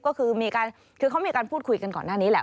ก็คือมีการพูดคุยกันก่อนหน้านี้แหละ